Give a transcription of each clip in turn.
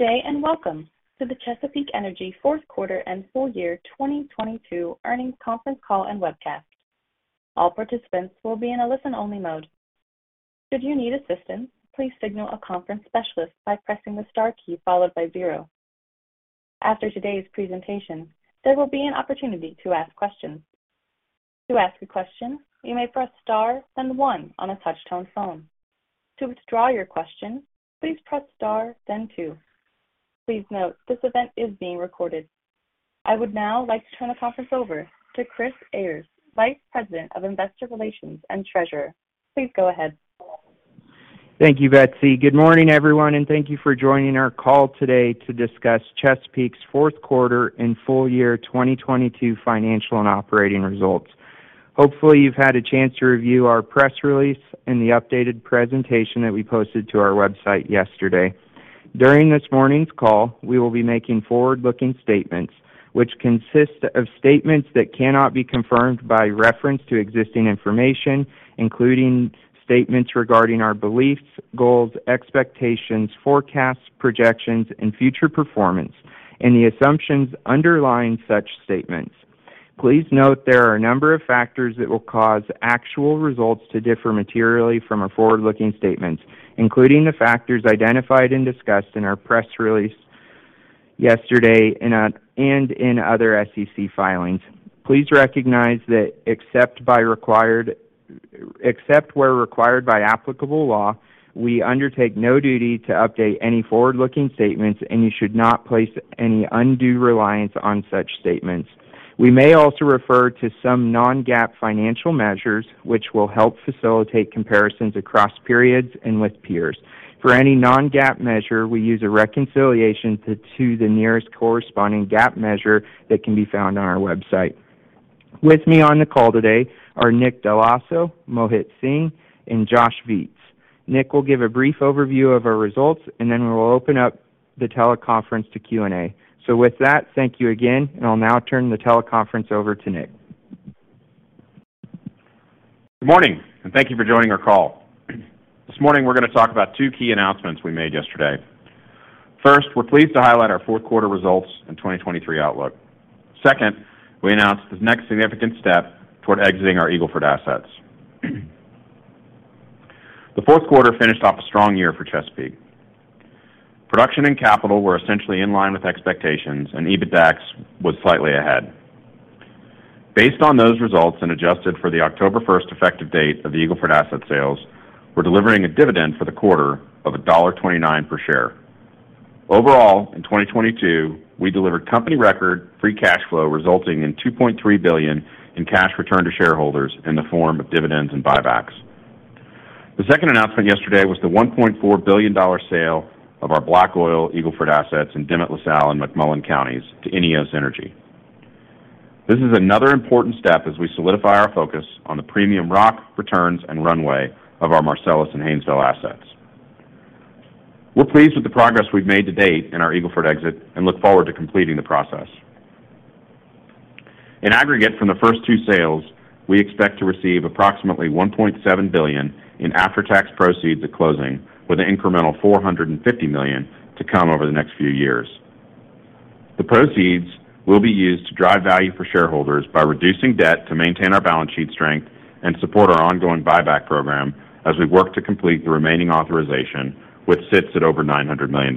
Good day, and welcome to the Chesapeake Energy Q4 and full year 2022 earnings conference call and webcast. All participants will be in a listen-only mode. Should you need assistance, please signal a conference specialist by pressing the star key followed by zero. After today's presentation, there will be an opportunity to ask questions. To ask a question, you may press Star, then one on a touch-tone phone. To withdraw your question, please press Star, then two. Please note, this event is being recorded. I would now like to turn the conference over to Chris Ayres, Vice President of Investor Relations and Treasurer. Please go ahead. Thank you, Betsy. Good morning, everyone. Thank you for joining our call today to discuss Chesapeake's Q4 and full year 2022 financial and operating results. Hopefully, you've had a chance to review our press release and the updated presentation that we posted to our website yesterday. During this morning's call, we will be making forward-looking statements, which consist of statements that cannot be confirmed by reference to existing information, including statements regarding our beliefs, goals, expectations, forecasts, projections, and future performance, and the assumptions underlying such statements. Please note there are a number of factors that will cause actual results to differ materially from our forward-looking statements, including the factors identified and discussed in our press release yesterday and in other SEC filings. Please recognize that except where required by applicable law, we undertake no duty to update any forward-looking statements, and you should not place any undue reliance on such statements. We may also refer to some non-GAAP financial measures, which will help facilitate comparisons across periods and with peers. For any non-GAAP measure, we use a reconciliation to the nearest corresponding GAAP measure that can be found on our website. With me on the call today are Nick Dell'Osso, Mohit Singh, and Josh Viets. Nick will give a brief overview of our results, and then we will open up the teleconference to Q&A. With that, thank you again, and I'll now turn the teleconference over to Nick. Good morning, thank you for joining our call. This morning, we're going to talk about two key announcements we made yesterday. First, we're pleased to highlight our Q4 results and 2023 outlook. Second, we announced the next significant step toward exiting our Eagle Ford assets. The Q4 finished off a strong year for Chesapeake. Production and capital were essentially in line with expectations, and EBITDAX was slightly ahead. Based on those results and adjusted for the October 1st effective date of the Eagle Ford asset sales, we're delivering a dividend for the quarter of $1.29 per share. Overall, in 2022, we delivered company record free cash flow, resulting in $2.3 billion in cash returned to shareholders in the form of dividends and buybacks. The second announcement yesterday was the $1.4 billion sale of our black oil Eagle Ford assets in DeWitt, LaSalle, and McMullen counties to INEOS Energy. This is another important step as we solidify our focus on the premium rock returns and runway of our Marcellus and Haynesville assets. We're pleased with the progress we've made to date in our Eagle Ford exit and look forward to completing the process. In aggregate from the first two sales, we expect to receive approximately $1.7 billion in after-tax proceeds at closing, with an incremental $450 million to come over the next few years. The proceeds will be used to drive value for shareholders by reducing debt to maintain our balance sheet strength and support our ongoing buyback program as we work to complete the remaining authorization, which sits at over $900 million.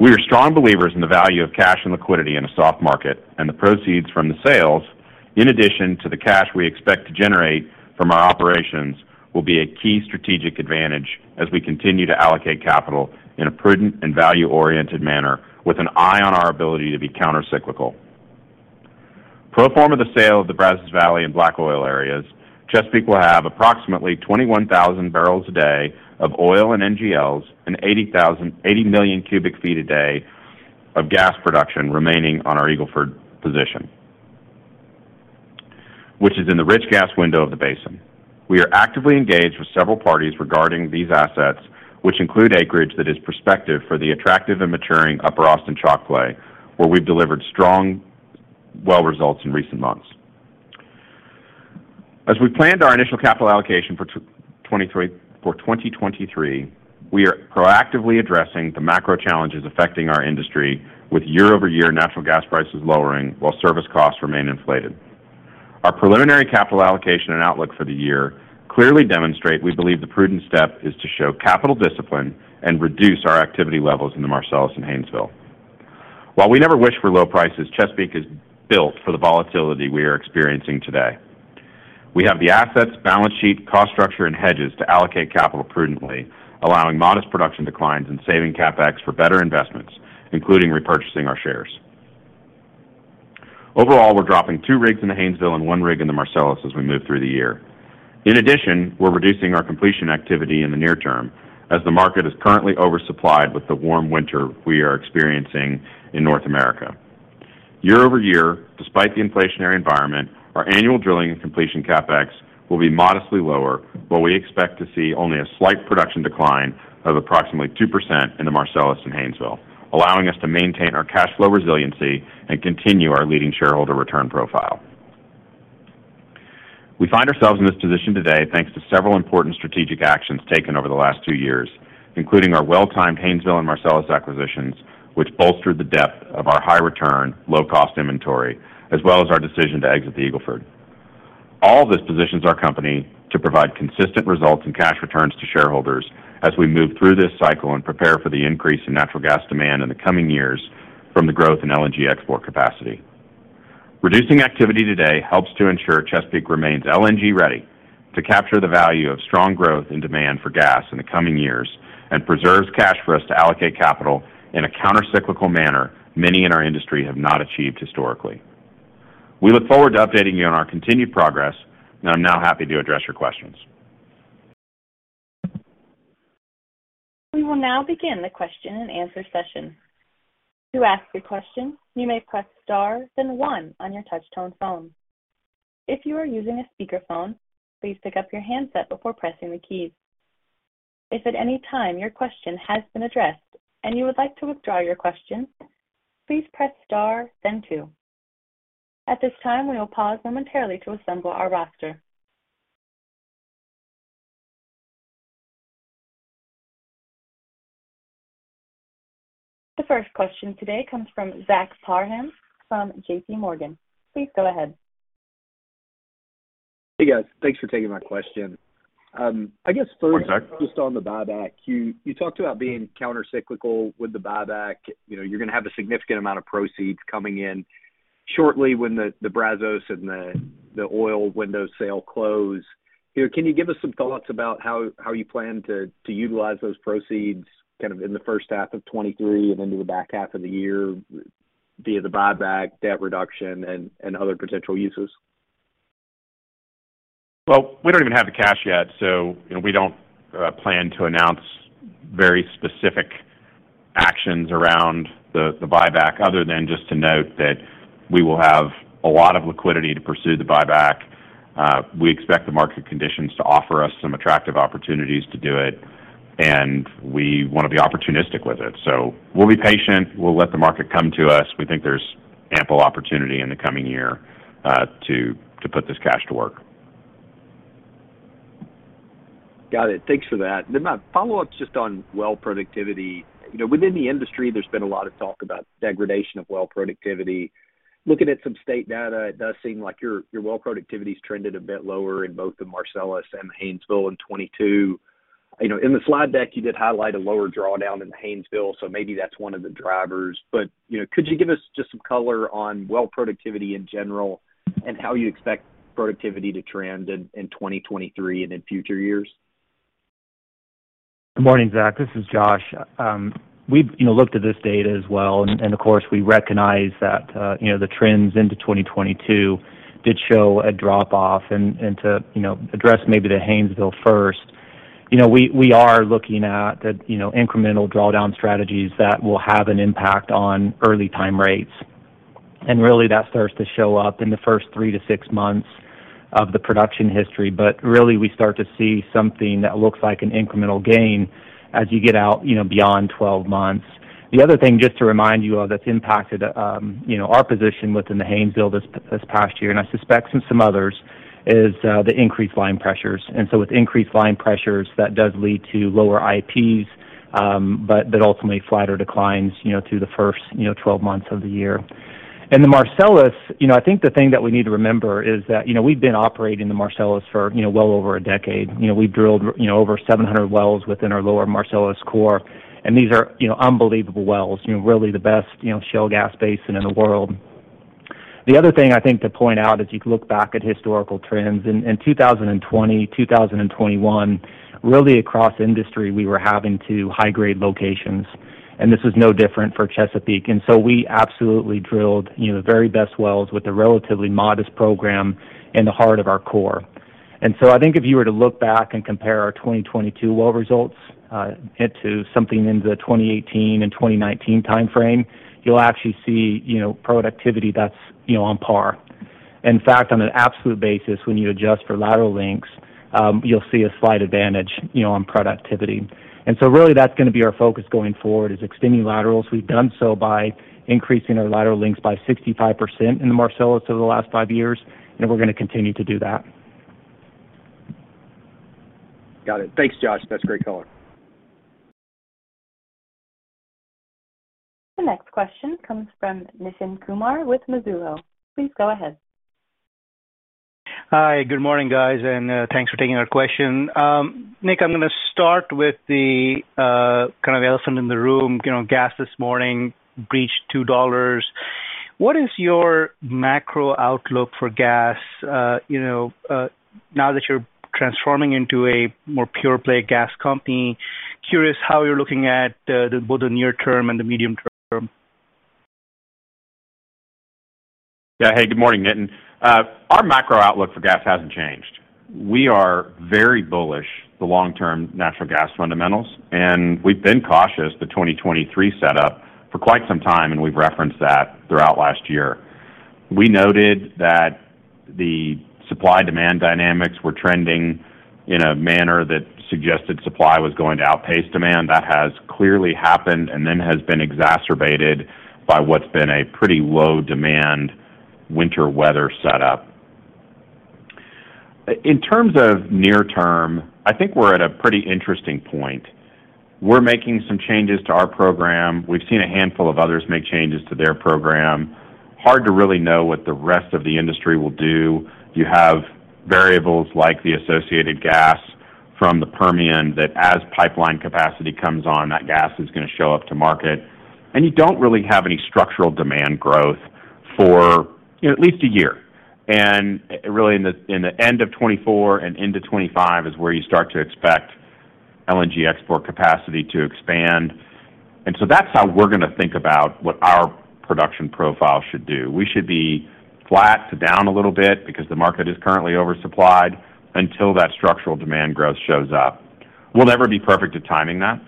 We are strong believers in the value of cash and liquidity in a soft market. The proceeds from the sales, in addition to the cash we expect to generate from our operations, will be a key strategic advantage as we continue to allocate capital in a prudent and value-oriented manner with an eye on our ability to be countercyclical. Pro forma the sale of the Brazos Valley and black oil areas, Chesapeake will have approximately 21,000 bbl a day of oil and NGLs and 80 million cu ft a day of gas production remaining on our Eagle Ford position, which is in the rich gas window of the basin. We are actively engaged with several parties regarding these assets, which include acreage that is prospective for the attractive and maturing Upper Austin Chalk play, where we've delivered strong well results in recent months. As we planned our initial capital allocation for 2023, we are proactively addressing the macro challenges affecting our industry with year-over-year natural gas prices lowering while service costs remain inflated. Our preliminary capital allocation and outlook for the year clearly demonstrate we believe the prudent step is to show capital discipline and reduce our activity levels in the Marcellus and Haynesville. While we never wish for low prices, Chesapeake is built for the volatility we are experiencing today. We have the assets, balance sheet, cost structure, and hedges to allocate capital prudently, allowing modest production declines and saving CapEx for better investments, including repurchasing our shares. Overall, we're dropping two rigs in the Haynesville and one rig in the Marcellus as we move through the year. In addition, we're reducing our completion activity in the near term as the market is currently oversupplied with the warm winter we are experiencing in North America. Year-over-year, despite the inflationary environment, our annual drilling and completion CapEx will be modestly lower, but we expect to see only a slight production decline of approximately 2% in the Marcellus and Haynesville, allowing us to maintain our cash flow resiliency and continue our leading shareholder return profile. We find ourselves in this position today thanks to several important strategic actions taken over the last two years, including our well-timed Haynesville and Marcellus acquisitions, which bolstered the depth of our high return, low-cost inventory, as well as our decision to exit the Eagle Ford. All this positions our company to provide consistent results and cash returns to shareholders as we move through this cycle and prepare for the increase in natural gas demand in the coming years from the growth in LNG export capacity. Reducing activity today helps to ensure Chesapeake remains LNG ready to capture the value of strong growth and demand for gas in the coming years and preserves cash for us to allocate capital in a countercyclical manner many in our industry have not achieved historically. We look forward to updating you on our continued progress. I'm now happy to address your questions. We will now begin the question-and-answer session. To ask a question, you may press Star, then one on your touchtone phone. If you are using a speakerphone, please pick up your handset before pressing the keys. If at any time your question has been addressed and you would like to withdraw your question, please press Star then two. At this time, we will pause momentarily to assemble our roster. The first question today comes from Zach Parham from JPMorgan. Please go ahead. Hey, guys. Thanks for taking my question. I guess. Sorry. Just on the buyback. You talked about being countercyclical with the buyback. You know, you're gonna have a significant amount of proceeds coming in shortly when the Brazos and the oil window sale close. You know, can you give us some thoughts about how you plan to utilize those proceeds kind of in the H1 of 2023 and then to the back half of the year via the buyback, debt reduction, and other potential uses? We don't even have the cash yet, so, you know, we don't plan to announce very specific actions around the buyback other than just to note that we will have a lot of liquidity to pursue the buyback. We expect the market conditions to offer us some attractive opportunities to do it, and we wanna be opportunistic with it. We'll be patient. We'll let the market come to us. We think there's ample opportunity in the coming year, to put this cash to work. Got it. Thanks for that. My follow-up is just on well productivity. You know, within the industry, there's been a lot of talk about degradation of well productivity. Looking at some state data, it does seem like your well productivity's trended a bit lower in both the Marcellus and Haynesville in 2022. You know, in the slide deck, you did highlight a lower drawdown in the Haynesville, maybe that's one of the drivers. You know, could you give us just some color on well productivity in general and how you expect productivity to trend in 2023 and in future years? Good morning, Zach. This is Josh. We've, you know, looked at this data as well. Of course, we recognize that, you know, the trends into 2022 did show a drop-off. To, you know, address maybe the Haynesville first, you know, we are looking at, you know, incremental drawdown strategies that will have an impact on early time rates. Really that starts to show up in the first three to six months of the production history. Really, we start to see something that looks like an incremental gain as you get out, you know, beyond 12 months. The other thing, just to remind you of, that's impacted, you know, our position within the Haynesville this past year, and I suspect in some others, is, the increased line pressures. With increased line pressures, that does lead to lower IPs, but ultimately flatter declines, you know, through the first, you know, 12 months of the year. In the Marcellus, you know, I think the thing that we need to remember is that, you know, we've been operating the Marcellus for, you know, well over a decade. You know, we've drilled, you know, over 700 wells within our lower Marcellus core, and these are, you know, unbelievable wells, you know, really the best, you know, shale gas basin in the world. The other thing I think to point out, as you look back at historical trends, in 2020, 2021, really across industry, we were having to high-grade locations, and this was no different for Chesapeake. We absolutely drilled, you know, the very best wells with a relatively modest program in the heart of our core. I think if you were to look back and compare our 2022 well results into something in the 2018 and 2019 timeframe, you'll actually see, you know, productivity that's, you know, on par. In fact, on an absolute basis, when you adjust for lateral lengths, you'll see a slight advantage, you know, on productivity. Really that's gonna be our focus going forward is extending laterals. We've done so by increasing our lateral lengths by 65% in the Marcellus over the last five years, and we're gonna continue to do that. Got it. Thanks, Josh. That's great color. The next question comes from Nitin Kumar with Mizuho. Please go ahead. Hi. Good morning, guys, and thanks for taking our question. Nick, I'm gonna start with the kind of elephant in the room. You know, gas this morning breached $2. What is your macro outlook for gas, you know, now that you're transforming into a more pure play gas company? Curious how you're looking at both the near term and the medium term. Yeah. Hey, good morning, Nitin. Our macro outlook for gas hasn't changed. We are very bullish the long-term natural gas fundamentals, and we've been cautious the 2023 setup for quite some time, and we've referenced that throughout last year. We noted that the supply-demand dynamics were trending. In a manner that suggested supply was going to outpace demand. That has clearly happened and then has been exacerbated by what's been a pretty low demand winter weather setup. In terms of near term, I think we're at a pretty interesting point. We're making some changes to our program. We've seen a handful of others make changes to their program. Hard to really know what the rest of the industry will do. You have variables like the associated gas from the Permian that as pipeline capacity comes on, that gas is gonna show up to market, and you don't really have any structural demand growth for, you know, at least a year. Really in the end of 2024 and into 2025 is where you start to expect LNG export capacity to expand. That's how we're gonna think about what our production profile should do. We should be flat to down a little bit because the market is currently oversupplied until that structural demand growth shows up. We'll never be perfect at timing that,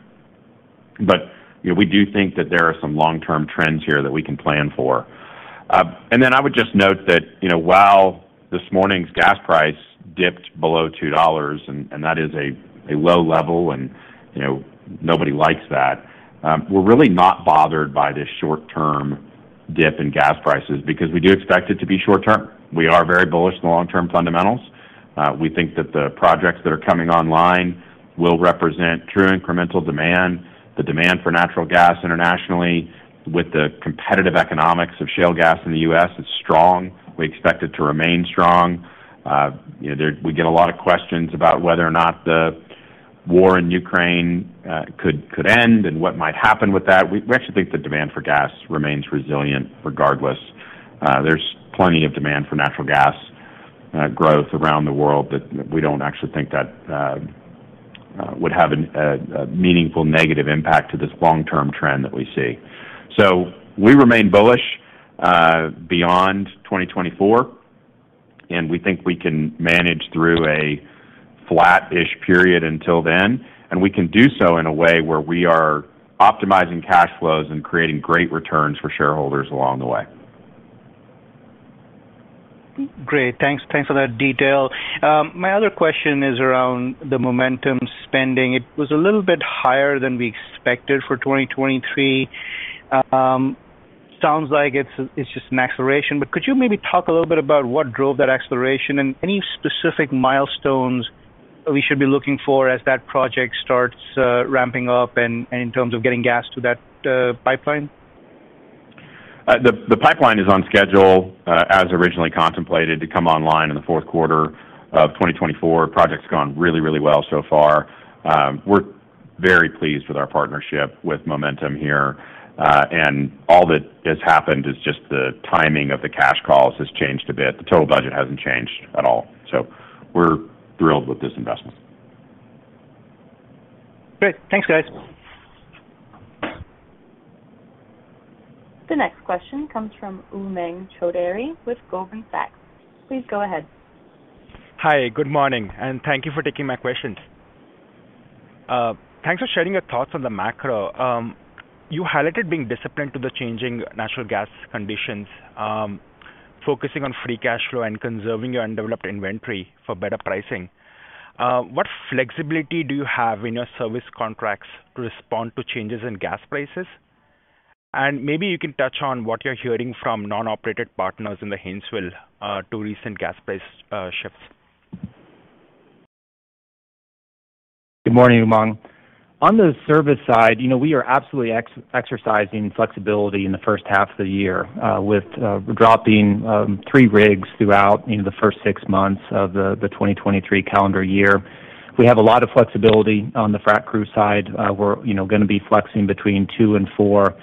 but, you know, we do think that there are some long-term trends here that we can plan for. I would just note that, you know, while this morning's gas price dipped below $2, and that is a low level, and, you know, nobody likes that, we're really not bothered by this short-term dip in gas prices because we do expect it to be short term. We are very bullish in the long-term fundamentals. We think that the projects that are coming online will represent true incremental demand. The demand for natural gas internationally with the competitive economics of shale gas in the U.S. is strong. We expect it to remain strong. you know, we get a lot of questions about whether or not the war in Ukraine could end and what might happen with that. We actually think the demand for gas remains resilient regardless. There's plenty of demand for natural gas growth around the world, but we don't actually think that would have a meaningful negative impact to this long-term trend that we see. We remain bullish beyond 2024, and we think we can manage through a flat-ish period until then, and we can do so in a way where we are optimizing cash flows and creating great returns for shareholders along the way. Great. Thanks. Thanks for that detail. My other question is around the momentum spending. It was a little bit higher than we expected for 2023. Sounds like it's just an acceleration, but could you maybe talk a little bit about what drove that acceleration and any specific milestones we should be looking for as that project starts ramping up and in terms of getting gas to that pipeline? The pipeline is on schedule, as originally contemplated to come online in the Q4 of 2024. Project's gone really, really well so far. We're very pleased with our partnership with Momentum here. All that has happened is just the timing of the cash calls has changed a bit. The total budget hasn't changed at all. We're thrilled with this investment. Great. Thanks, guys. The next question comes from Umang Choudhary with Goldman Sachs. Please go ahead. Hi. Good morning, and thank you for taking my questions. Thanks for sharing your thoughts on the macro. You highlighted being disciplined to the changing natural gas conditions, focusing on free cash flow and conserving your undeveloped inventory for better pricing. What flexibility do you have in your service contracts to respond to changes in gas prices? Maybe you can touch on what you're hearing from non-operated partners in the Haynesville to recent gas price shifts. Good morning, Umang. On the service side, you know, we are absolutely exercising flexibility in the H1 of the year, with dropping three rigs throughout, you know, the first six months of the 2023 calendar year. We have a lot of flexibility on the frac crew side. We're, you know, gonna be flexing between two and four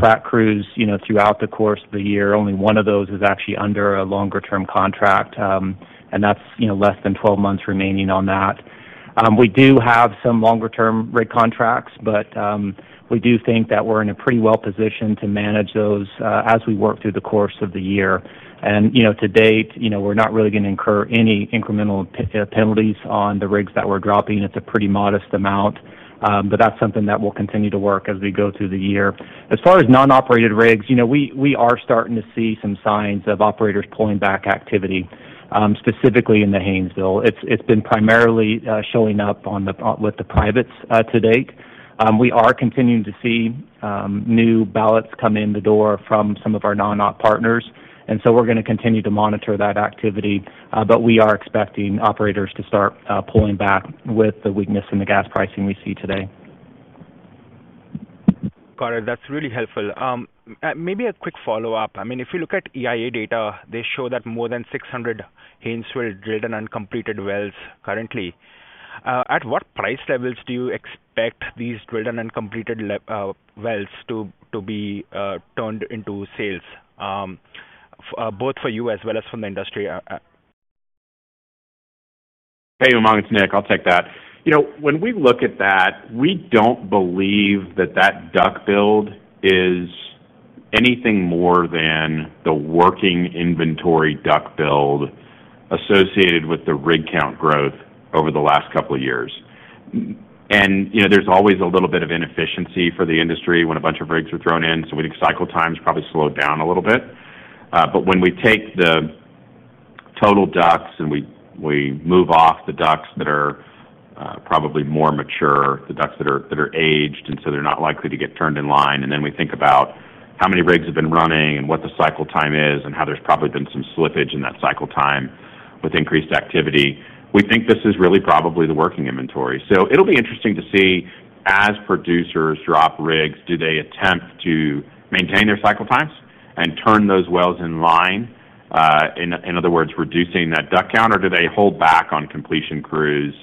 frac crews, you know, throughout the course of the year. Only one of those is actually under a longer-term contract, and that's, you know, less than 12 months remaining on that. We do have some longer-term rig contracts, but we do think that we're in a pretty well position to manage those, as we work through the course of the year. You know, to date, you know, we're not really gonna incur any incremental penalties on the rigs that we're dropping. It's a pretty modest amount, but that's something that we'll continue to work as we go through the year. As far as non-operated rigs, you know, we are starting to see some signs of operators pulling back activity, specifically in the Haynesville. It's been primarily showing up with the privates to date. We are continuing to see new ballots come in the door from some of our non-op partners. We're gonna continue to monitor that activity, but we are expecting operators to start pulling back with the weakness in the gas pricing we see today. Got it. That's really helpful. I mean, if you look at EIA data, they show that more than 600 Haynesville drilled and uncompleted wells currently. At what price levels do you expect these drilled and uncompleted wells to be turned into sales, both for you as well as from the industry? Hey, Umang, it's Nick. I'll take that. You know, when we look at that, we don't believe that that DUC build is anything more than the working inventory DUC build associated with the rig count growth over the last couple of years. You know, there's always a little bit of inefficiency for the industry when a bunch of rigs are thrown in, so we think cycle times probably slowed down a little bit. When we take the total DUCs and we move off the DUCs that are probably more mature, the DUCs that are aged, so they're not likely to get turned in line. We think about how many rigs have been running and what the cycle time is and how there's probably been some slippage in that cycle time with increased activity. We think this is really probably the working inventory. It'll be interesting to see as producers drop rigs, do they attempt to maintain their cycle times and turn those wells in line? In other words, reducing that DUC count, or do they hold back on completion crews,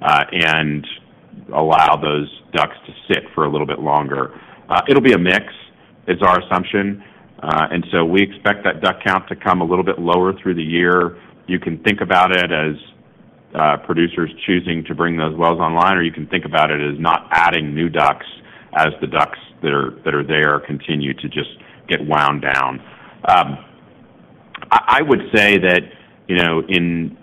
and allow those DUCs to sit for a little bit longer? It'll be a mix, is our assumption. We expect that DUC count to come a little bit lower through the year. You can think about it as, producers choosing to bring those wells online, or you can think about it as not adding new DUCs as the DUCs that are there continue to just get wound down. I would say that, you know, in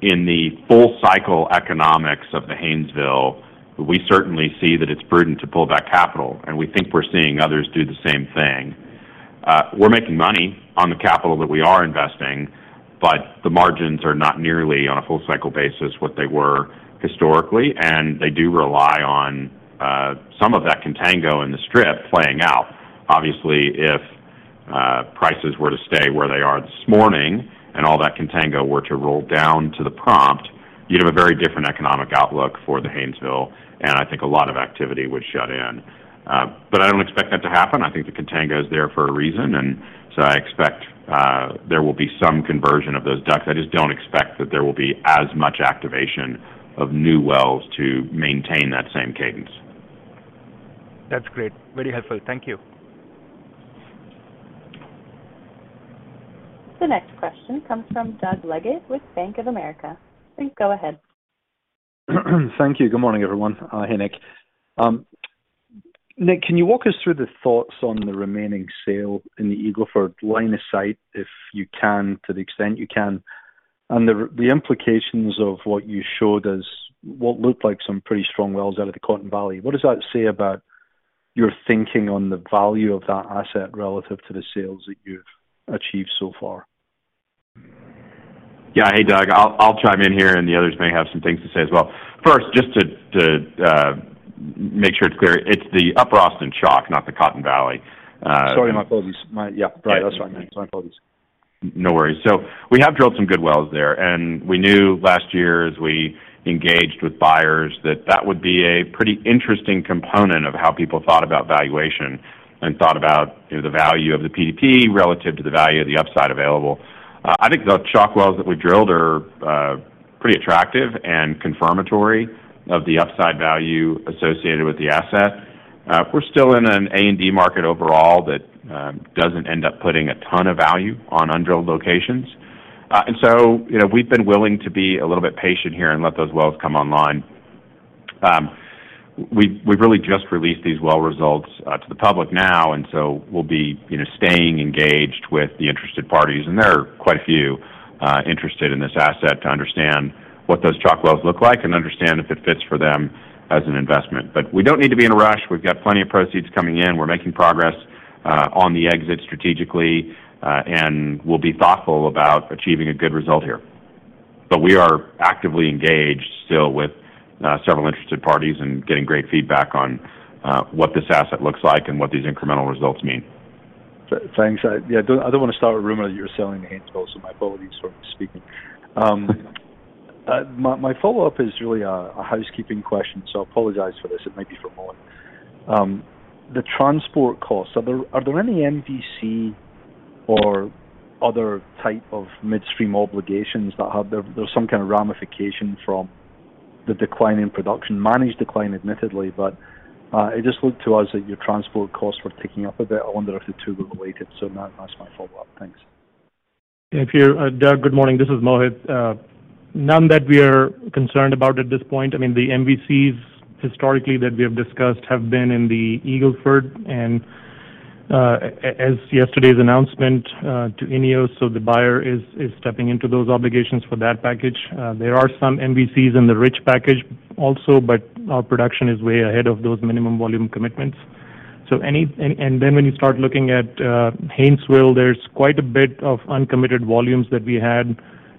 the full cycle economics of the Haynesville, we certainly see that it's prudent to pull back capital, and we think we're seeing others do the same thing. We're making money on the capital that we are investing, but the margins are not nearly on a full cycle basis what they were historically, and they do rely on some of that contango in the strip playing out. Obviously, if prices were to stay where they are this morning and all that contango were to roll down to the prompt, you'd have a very different economic outlook for the Haynesville, and I think a lot of activity would shut in. I don't expect that to happen. I think the contango is there for a reason. I expect there will be some conversion of those DUCs. I just don't expect that there will be as much activation of new wells to maintain that same cadence. That's great. Very helpful. Thank you. The next question comes from Doug Leggate with Bank of America. Please go ahead. Thank you. Good morning, everyone. Hey, Nick, can you walk us through the thoughts on the remaining sale in the Eagle Ford line of sight, if you can, to the extent you can, and the implications of what you showed as what looked like some pretty strong wells out of the Cotton Valley. What does that say about your thinking on the value of that asset relative to the sales that you've achieved so far? Yeah. Hey, Doug, I'll chime in here, and the others may have some things to say as well. First, just to make sure it's clear, it's the Upper Austin Chalk, not the Cotton Valley. Sorry, my apologies. Yeah. Right. Yeah. That's what I meant. My apologies. No worries. We have drilled some good wells there, and we knew last year as we engaged with buyers that that would be a pretty interesting component of how people thought about valuation and thought about, you know, the value of the PDP relative to the value of the upside available. I think the chalk wells that we drilled are pretty attractive and confirmatory of the upside value associated with the asset. We're still in an A&D market overall that doesn't end up putting a ton of value on undrilled locations. You know, we've been willing to be a little bit patient here and let those wells come online. We've really just released these well results to the public now. We'll be, you know, staying engaged with the interested parties, and there are quite a few interested in this asset to understand what those chalk wells look like and understand if it fits for them as an investment. We don't need to be in a rush. We've got plenty of proceeds coming in. We're making progress on the exit strategically. We'll be thoughtful about achieving a good result here. We are actively engaged still with several interested parties and getting great feedback on what this asset looks like and what these incremental results mean. Thanks. Yeah, I don't wanna start a rumor that you're selling the Haynesville, so my apologies for speaking. My follow-up is really a housekeeping question, so I apologize for this. It might be for Mohit. The transport costs, are there any MVC or other type of midstream obligations? There's some kind of ramification from the decline in production. Managed decline, admittedly, but, it just looked to us that your transport costs were ticking up a bit. I wonder if the two were related. That's my follow-up. Thanks. Thank you. Doug, good morning. This is Mohit. None that we are concerned about at this point. I mean, the MVCs historically that we have discussed have been in the Eagle Ford and, as yesterday's announcement, to INEOS, so the buyer is stepping into those obligations for that package. There are some MVCs in the rich package also, but our production is way ahead of those Minimum Volume Commitments. And then when you start looking at Haynesville, there's quite a bit of uncommitted volumes that we had,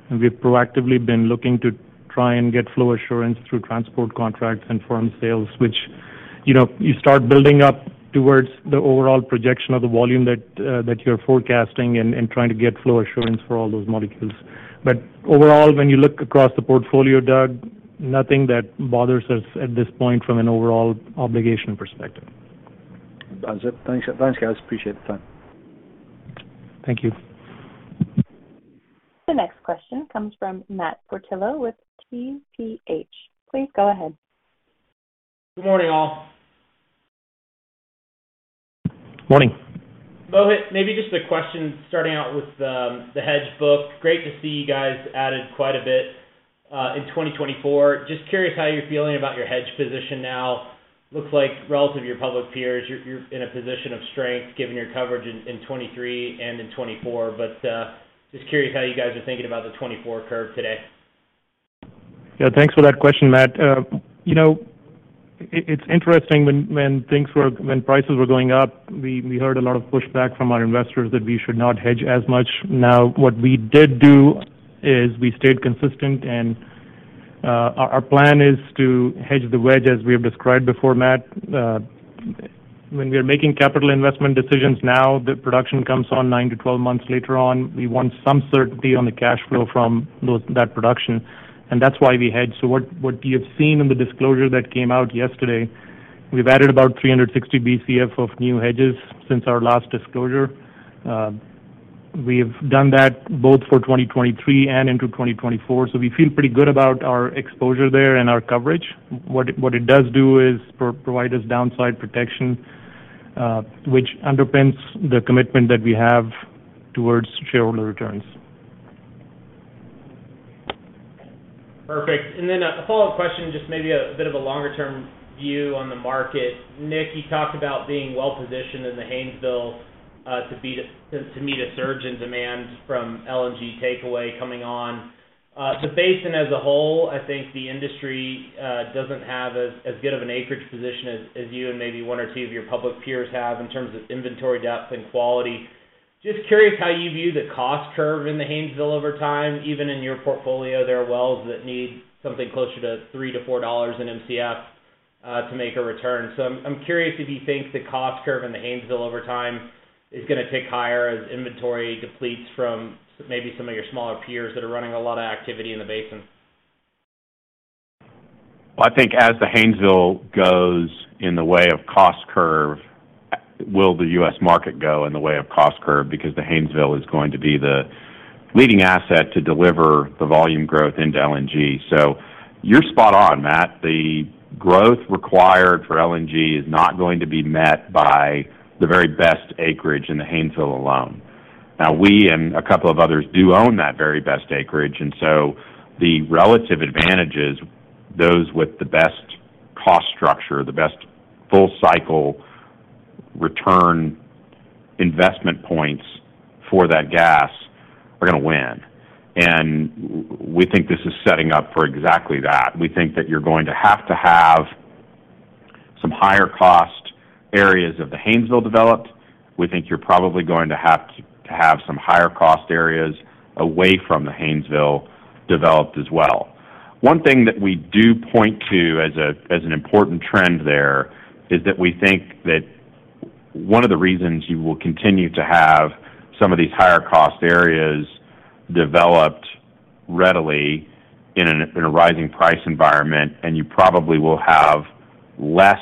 and we've proactively been looking to try and get flow assurance through transport contracts and firm sales, which, you know, you start building up towards the overall projection of the volume that you're forecasting and trying to get flow assurance for all those molecules. Overall, when you look across the portfolio, Doug, nothing that bothers us at this point from an overall obligation perspective. That's it. Thanks. Thanks, guys. Appreciate the time. Thank you. The next question comes from Matt Portillo with TPH. Please go ahead. Good morning, all. Morning. Mohit, maybe just a question starting out with the hedge book. Great to see you guys added quite a bit in 2024. Just curious how you're feeling about your hedge position now. Looks like relative to your public peers, you're in a position of strength given your coverage in 2023 and in 2024. Just curious how you guys are thinking about the 2024 curve today. Yeah, thanks for that question, Matt. You know, it's interesting when prices were going up, we heard a lot of pushback from our investors that we should not hedge as much. What we did do is we stayed consistent, our plan is to hedge the wedge as we have described before, Matt. When we are making capital investment decisions now, the production comes on nine to 12 months later on. We want some certainty on the cash flow from that production, that's why we hedge. What, what you have seen in the disclosure that came out yesterday, we've added about 360 Bcf of new hedges since our last disclosure. We've done that both for 2023 and into 2024. We feel pretty good about our exposure there and our coverage. What it does do is provide us downside protection, which underpins the commitment that we have towards shareholder returns. Perfect. A follow-up question, just maybe a bit of a longer-term view on the market. Nick, you talked about being well-positioned in the Haynesville to meet a surge in demand from LNG takeaway coming on. The basin as a whole, I think the industry doesn't have as good of an acreage position as you and maybe one or two of your public peers have in terms of inventory depth and quality. Just curious how you view the cost curve in the Haynesville over time. Even in your portfolio, there are wells that need something closer to $3-$4 in Mcf to make a return. I'm curious if you think the cost curve in the Haynesville over time is gonna tick higher as inventory depletes from maybe some of your smaller peers that are running a lot of activity in the basin? Well, I think as the Haynesville goes in the way of cost curve, will the U.S. market go in the way of cost curve? The Haynesville is going to be the leading asset to deliver the volume growth into LNG. You're spot on, Matt. The growth required for LNG is not going to be met by the very best acreage in the Haynesville alone. We and a couple of others do own that very best acreage, the relative advantages, those with the best cost structure, the best full cycle return investment points for that gas are gonna win. We think this is setting up for exactly that. We think that you're going to have to have some higher cost areas of the Haynesville developed. We think you're probably going to have to have some higher cost areas away from the Haynesville developed as well. One thing that we do point to as an important trend there is that we think that one of the reasons you will continue to have some of these higher cost areas developed readily in a rising price environment, and you probably will have less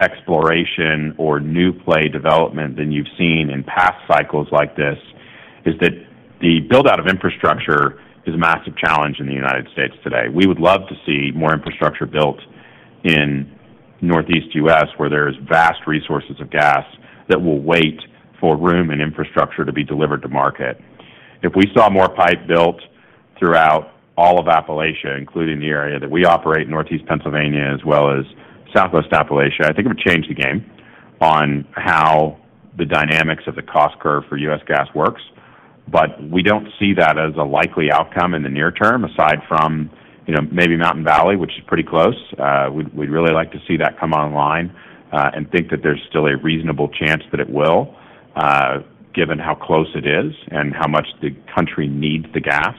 exploration or new play development than you've seen in past cycles like this, is that the build-out of infrastructure is a massive challenge in the United States today. We would love to see more infrastructure built in Northeast U.S., where there's vast resources of gas that will wait for room and infrastructure to be delivered to market. If we saw more pipe built throughout all of Appalachia, including the area that we operate, Northeast Pennsylvania as well as Southwest Appalachia, I think it would change the game on how the dynamics of the cost curve for U.S. gas works. We don't see that as a likely outcome in the near term, aside from, you know, maybe Mountain Valley, which is pretty close. We'd really like to see that come online and think that there's still a reasonable chance that it will given how close it is and how much the country needs the gas.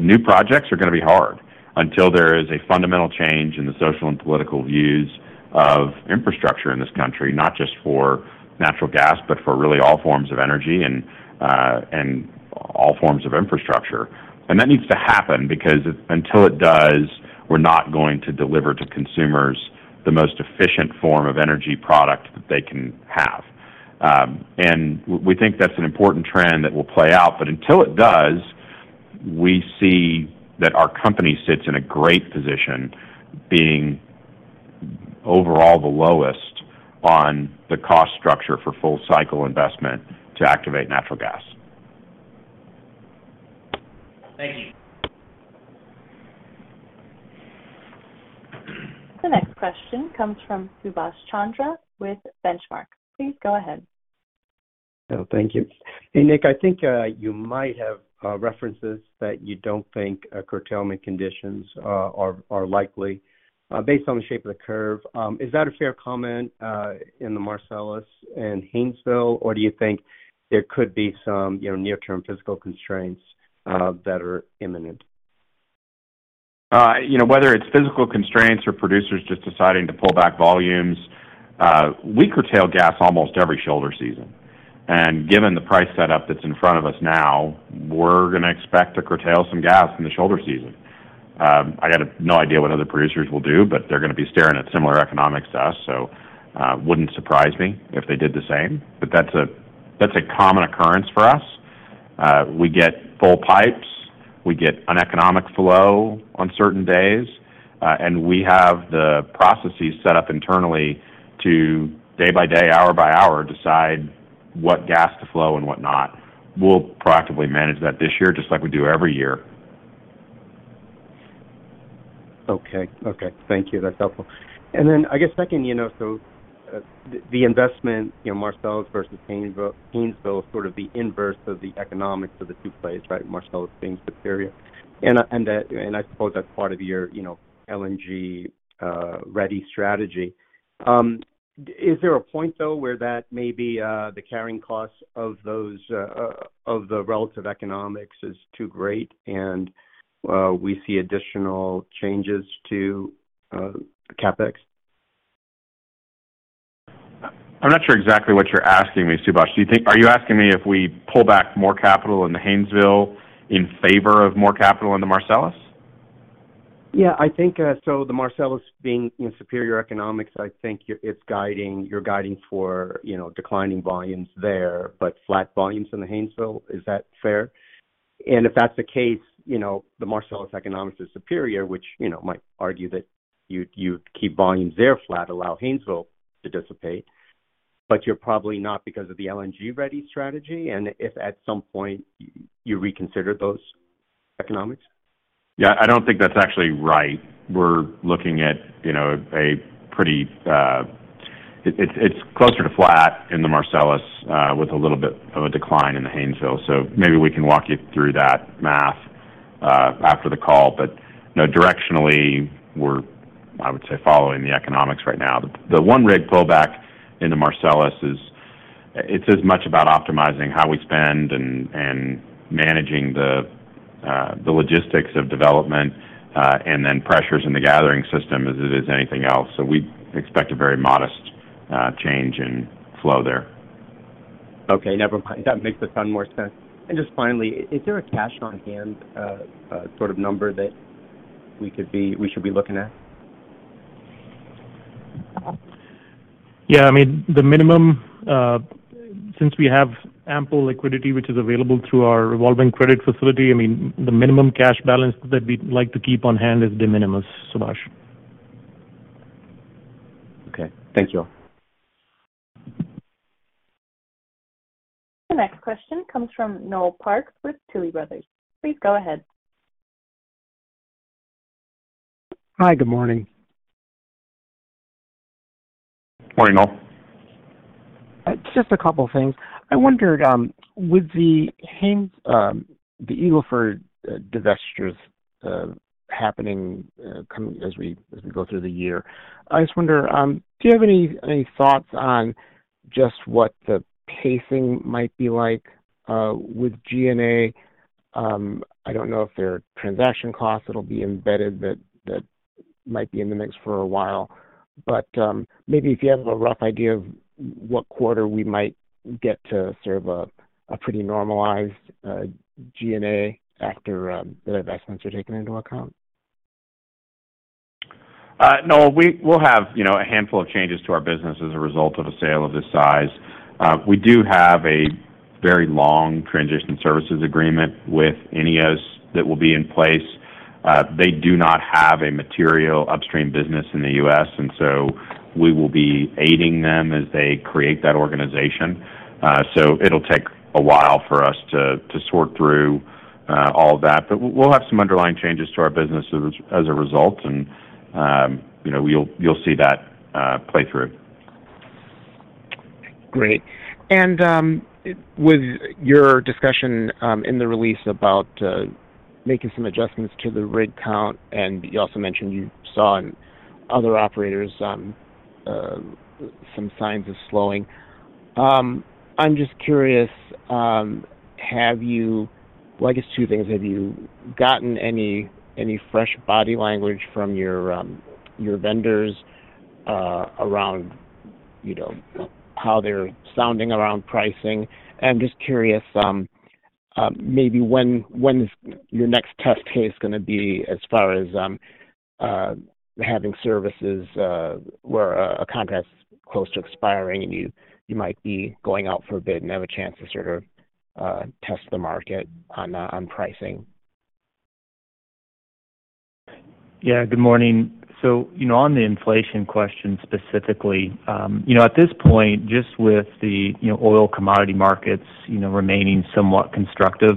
New projects are gonna be hard until there is a fundamental change in the social and political views of infrastructure in this country, not just for natural gas, but for really all forms of energy and all forms of infrastructure. That needs to happen because until it does, we're not going to deliver to consumers the most efficient form of energy product that they can have. We think that's an important trend that will play out. Until it does, we see that our company sits in a great position, being overall the lowest on the cost structure for full cycle investment to activate natural gas. Thank you. The next question comes from Subash Chandra with Benchmark. Please go ahead. Thank you. Hey, Nick, I think you might have references that you don't think curtailment conditions are likely based on the shape of the curve. Is that a fair comment in the Marcellus and Haynesville, or do you think there could be some, you know, near-term physical constraints that are imminent? You know, whether it's physical constraints or producers just deciding to pull back volumes, we curtail gas almost every shoulder season. Given the price set up that's in front of us now, we're gonna expect to curtail some gas in the shoulder season. I got no idea what other producers will do, but they're gonna be staring at similar economics to us, so wouldn't surprise me if they did the same. That's a common occurrence for us. We get full pipes, we get uneconomic flow on certain days, and we have the processes set up internally to day by day, hour by hour, decide what gas to flow and whatnot. We'll proactively manage that this year, just like we do every year. Okay. Okay. Thank you. That's helpful. Then I guess second, you know, so, the investment, you know, Marcellus versus Haynesville is sort of the inverse of the economics of the two plays, right? Marcellus being superior. I suppose that's part of your, you know, LNG ready strategy. Is there a point, though, where that maybe, the carrying cost of those, of the relative economics is too great, and, we see additional changes to CapEx? I'm not sure exactly what you're asking me, Subash. Are you asking me if we pull back more capital in the Haynesville in favor of more capital in the Marcellus? Yeah. I think the Marcellus being in superior economics, I think you're guiding for, you know, declining volumes there, but flat volumes in the Haynesville. Is that fair? If that's the case, you know, the Marcellus economics is superior, which, you know, might argue that you'd keep volumes there flat, allow Haynesville to dissipate. You're probably not because of the LNG-ready strategy, and if at some point you reconsider those economics. Yeah, I don't think that's actually right. We're looking at, you know, it's closer to flat in the Marcellus with a little bit of a decline in the Haynesville. Maybe we can walk you through that math after the call. You know, directionally, we're, I would say, following the economics right now. The one rig pullback into Marcellus is, it's as much about optimizing how we spend and managing the logistics of development and then pressures in the gathering system as it is anything else. We expect a very modest change in flow there. Okay. Never mind. That makes a ton more sense. Just finally, is there a cash on hand, sort of number that we should be looking at? Yeah. I mean, the minimum, since we have ample liquidity which is available through our revolving credit facility, I mean, the minimum cash balance that we'd like to keep on hand is de minimis, Subash. Okay. Thank you. The next question comes from Noel Parks with Tuohy Brothers. Please go ahead. Hi. Good morning. Morning, Noel. Just a couple of things. I wondered, with the Eagle Ford divestitures happening as we go through the year, I just wonder, do you have any thoughts on just what the pacing might be like with G&A? I don't know if there are transaction costs that'll be embedded that might be in the mix for a while, but maybe if you have a rough idea of what quarter we might get to sort of a pretty normalized G&A after the investments are taken into account. Noel, we'll have, you know, a handful of changes to our business as a result of a sale of this size. We do have a very long transition services agreement with INEOS that will be in place. They do not have a material upstream business in the U.S., we will be aiding them as they create that organization. It'll take a while for us to sort through all of that. We'll have some underlying changes to our business as a result. You know, you'll see that play through. Great. With your discussion in the release about making some adjustments to the rig count, and you also mentioned you saw in other operators some signs of slowing. I'm just curious. Well, I guess two things. Have you gotten any fresh body language from your vendors around, you know, how they're sounding around pricing? I'm just curious, maybe when is your next test case gonna be as far as having services where a contract's close to expiring, and you might be going out for a bid and have a chance to sort of test the market on pricing. Good morning. You know, on the inflation question specifically, you know, at this point, just with the, you know, oil commodity markets, you know, remaining somewhat constructive,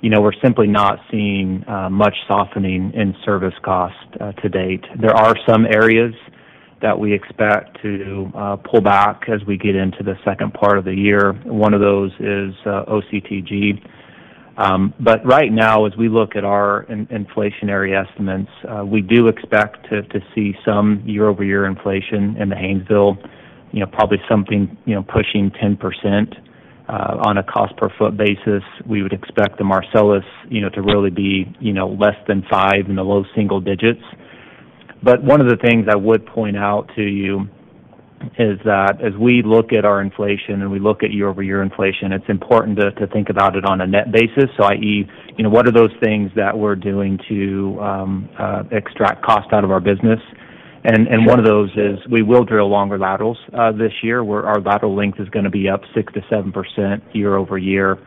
you know, we're simply not seeing much softening in service cost to date. There are some areas that we expect to pull back as we get into the second part of the year. One of those is OCTG. Right now, as we look at our in-inflationary estimates, we do expect to see some year-over-year inflation in the Haynesville, you know, probably something, you know, pushing 10% on a cost per foot basis. We would expect the Marcellus, you know, to really be, you know, less than five in the low single digits. One of the things I would point out to you is that as we look at our inflation and we look at year-over-year inflation, it's important to think about it on a net basis. I.e., you know, what are those things that we're doing to extract cost out of our business? One of those is we will drill longer laterals this year, where our lateral length is gonna be up 6%-7% year-over-year.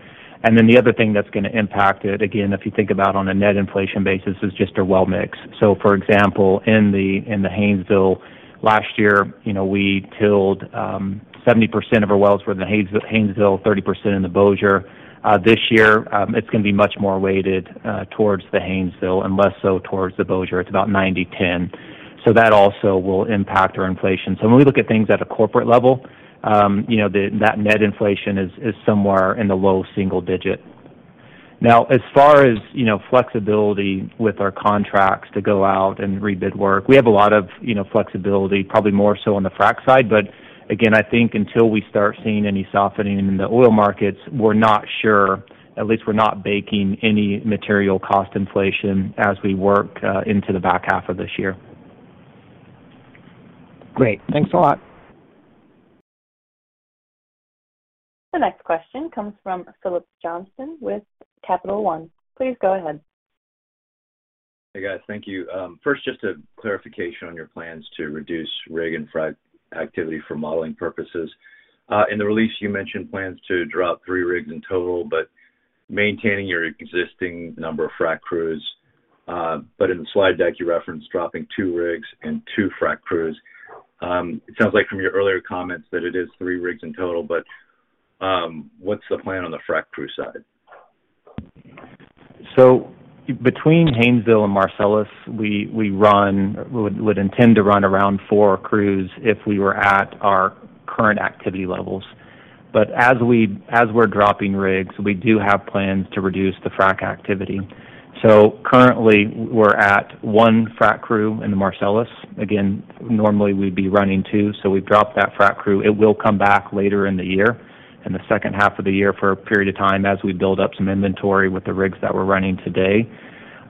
Then the other thing that's gonna impact it, again, if you think about on a net inflation basis, is just our well mix. For example, in the Haynesville last year, you know, we tilled 70% of our wells were in the Haynesville, 30% in the Bossier. This year, it's gonna be much more weighted, towards the Haynesville and less so towards the Bossier. It's about 90/10. That also will impact our inflation. When we look at things at a corporate level, you know, that net inflation is somewhere in the low single digit. As far as, you know, flexibility with our contracts to go out and rebid work, we have a lot of, you know, flexibility, probably more so on the frack side. Again, I think until we start seeing any softening in the oil markets, we're not sure, at least we're not baking any material cost inflation as we work into the back half of this year. Great. Thanks a lot. The next question comes from Phillips Johnston with Capital One. Please go ahead. Hey, guys. Thank you. First, just a clarification on your plans to reduce rig and frack activity for modeling purposes. In the release, you mentioned plans to drop three rigs in total, but maintaining your existing number of frack crews. In the slide deck, you referenced dropping two rigs and two frack crews. It sounds like from your earlier comments that it is three rigs in total, but, what's the plan on the frack crew side? Between Haynesville and Marcellus, we run, would intend to run around four crews if we were at our current activity levels. As we're dropping rigs, we do have plans to reduce the frack activity. Currently, we're at 1 frack crew in the Marcellus. Again, normally we'd be running two, so we dropped that frack crew. It will come back later in the year, in the H2 of the year for a period of time as we build up some inventory with the rigs that we're running today.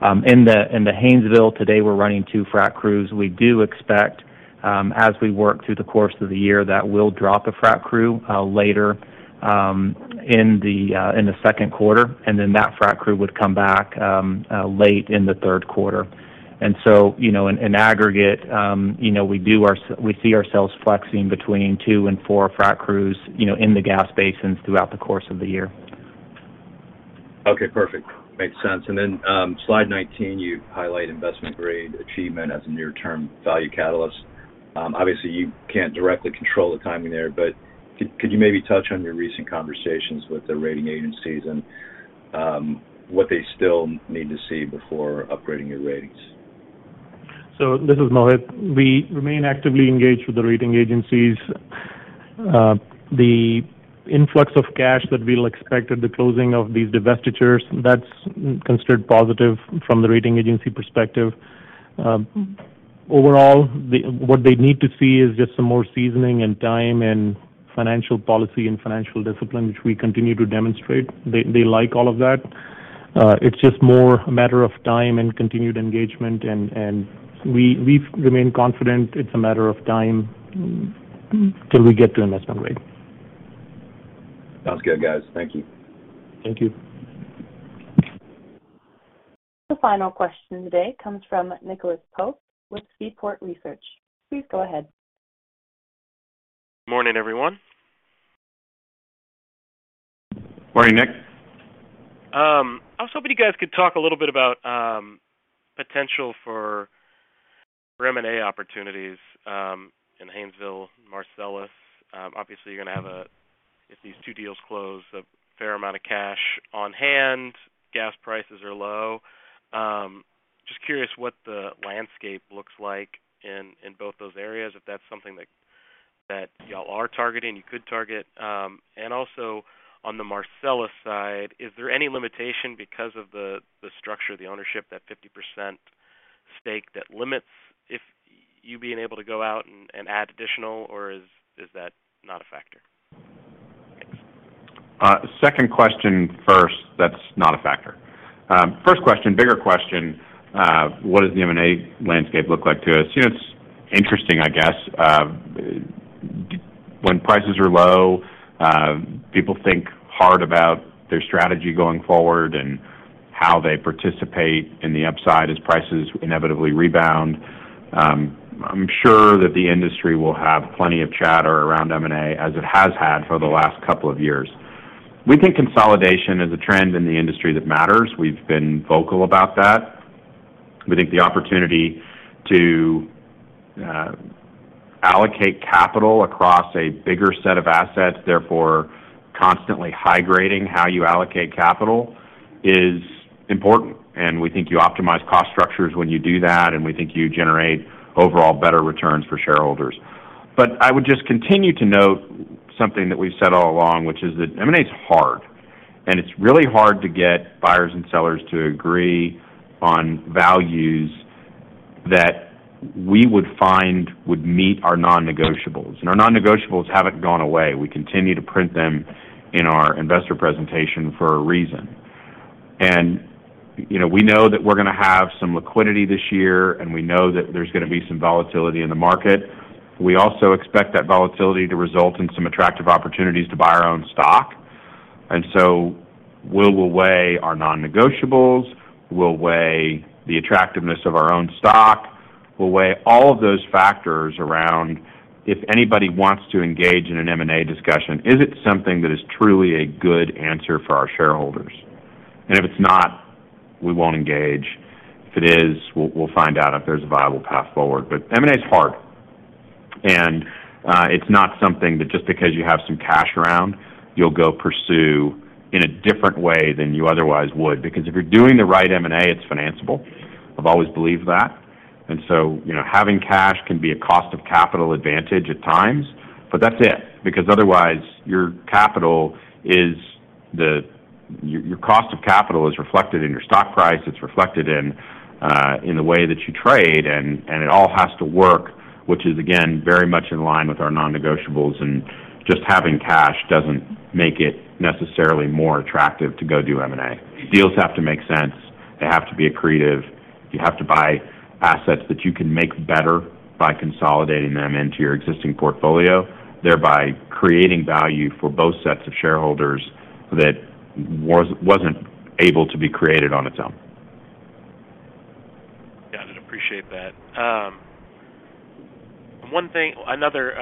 In the Haynesville today, we're running two frack crews. We do expect, as we work through the course of the year, that we'll drop a frack crew, later, in the Q2, and then that frack crew would come back, late in the Q3. You know, in aggregate, you know, we see ourselves flexing between two and four frack crews, you know, in the gas basins throughout the course of the year. Okay, perfect. Makes sense. Then, slide 19, you highlight investment-grade achievement as a near-term value catalyst. Obviously, you can't directly control the timing there, but could you maybe touch on your recent conversations with the rating agencies and what they still need to see before upgrading your ratings? This is Mohit. We remain actively engaged with the rating agencies. The influx of cash that we'll expect at the closing of these divestitures, that's considered positive from the rating agency perspective. Overall, what they need to see is just some more seasoning and time and financial policy and financial discipline, which we continue to demonstrate. They like all of that. It's just more a matter of time and continued engagement, and we've remain confident it's a matter of time till we get to investment grade. Sounds good, guys. Thank you. Thank you. The final question today comes from Nicholas Pope with Seaport Research. Please go ahead. Morning, everyone. Morning, Nick. I was hoping you guys could talk a little bit about potential for M&A opportunities in Haynesville, Marcellus. Obviously, you're gonna have a, if these two deals close, a fair amount of cash on hand. Gas prices are low. Just curious what the landscape looks like in both those areas, if that's something that y'all are targeting, you could target. Also on the Marcellus side, is there any limitation because of the structure of the ownership, that 50% stake that limits if you being able to go out and add additional, or is that not a factor? Second question first, that's not a factor. First question, bigger question, what does the M&A landscape look like to us? You know, it's interesting, I guess. When prices are low, people think hard about their strategy going forward and how they participate in the upside as prices inevitably rebound. I'm sure that the industry will have plenty of chatter around M&A as it has had for the last couple of years. We think consolidation is a trend in the industry that matters. We've been vocal about that. We think the opportunity to allocate capital across a bigger set of assets, therefore constantly high grading how you allocate capital is important. We think you optimize cost structures when you do that, and we think you generate overall better returns for shareholders. I would just continue to note something that we've said all along, which is that M&A is hard, and it's really hard to get buyers and sellers to agree on values that we would find would meet our non-negotiables. Our non-negotiables haven't gone away. We continue to print them in our investor presentation for a reason. You know, we know that we're gonna have some liquidity this year, and we know that there's gonna be some volatility in the market. We also expect that volatility to result in some attractive opportunities to buy our own stock. We will weigh our non-negotiables, we'll weigh the attractiveness of our own stock. We'll weigh all of those factors around if anybody wants to engage in an M&A discussion, is it something that is truly a good answer for our shareholders? If it's not, we won't engage. If it is, we'll find out if there's a viable path forward. M&A is hard. It's not something that just because you have some cash around, you'll go pursue in a different way than you otherwise would. Because if you're doing the right M&A, it's financeable. I've always believed that. You know, having cash can be a cost of capital advantage at times, but that's it. Because otherwise your capital is your cost of capital is reflected in your stock price. It's reflected in the way that you trade. It all has to work, which is, again, very much in line with our non-negotiables. Just having cash doesn't make it necessarily more attractive to go do M&A. Deals have to make sense. They have to be accretive. You have to buy assets that you can make better by consolidating them into your existing portfolio, thereby creating value for both sets of shareholders that wasn't able to be created on its own. Got it. Appreciate that. One thing. Another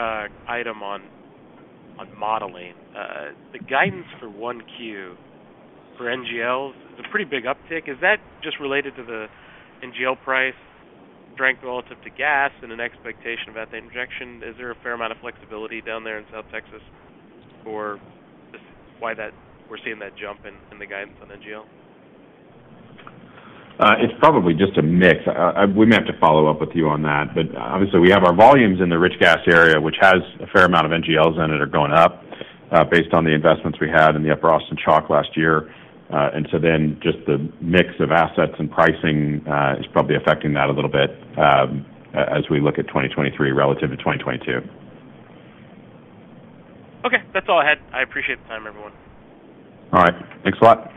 item on modeling. The guidance for 1Q for NGLs is a pretty big uptick. Is that just related to the NGL price strength relative to gas and an expectation about the injection? Is there a fair amount of flexibility down there in South Texas for this? Why we're seeing that jump in the guidance on NGL? It's probably just a mix. We may have to follow up with you on that. Obviously, we have our volumes in the Rich Gas area, which has a fair amount of NGLs in it, are going up, based on the investments we had in the Upper Austin Chalk last year. Just the mix of assets and pricing is probably affecting that a little bit as we look at 2023 relative to 2022. Okay. That's all I had. I appreciate the time, everyone. All right. Thanks a lot.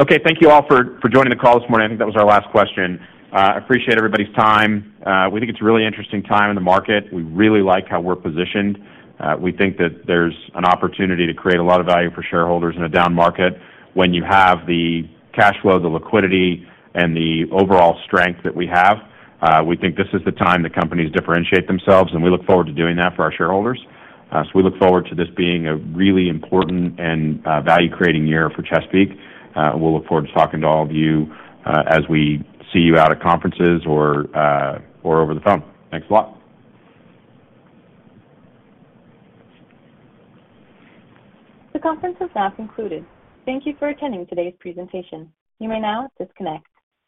Okay. Thank you all for joining the call this morning. I think that was our last question. Appreciate everybody's time. We think it's a really interesting time in the market. We really like how we're positioned. We think that there's an opportunity to create a lot of value for shareholders in a down market when you have the cash flow, the liquidity, and the overall strength that we have. We think this is the time that companies differentiate themselves, and we look forward to doing that for our shareholders. We look forward to this being a really important and value-creating year for Chesapeake. We'll look forward to talking to all of you, as we see you out at conferences or over the phone. Thanks a lot. The conference is now concluded. Thank you for attending today's presentation. You may now disconnect.